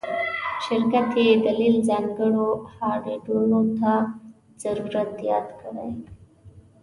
شرکت یی دلیل ځانګړو هارډویرونو ته ضرورت یاد کړی